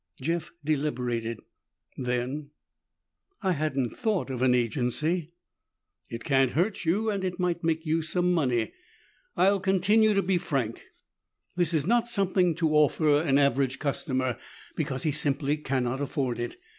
Jeff deliberated. Then, "I hadn't thought of an agency." "It can't hurt you and it might make you some money. I'll continue to be frank. This is not something to offer an average customer because he simply cannot afford it.